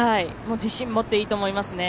自信持っていいと思いますね。